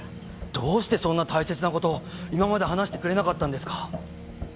どうしてそんな大切な事を今まで話してくれなかったんですか？